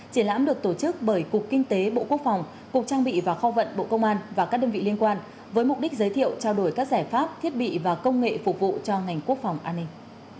triển lãm được tổ chức bởi cục kinh tế bộ quốc phòng cục trang bị và kho vận bộ công an và các đơn vị liên quan với mục đích giới thiệu trao đổi các giải pháp thiết bị và công nghệ phục vụ cho ngành quốc phòng an ninh